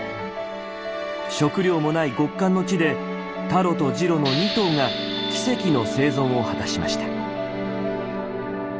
食料もない極寒の地でタロとジロの２頭が奇跡の生存を果たしました。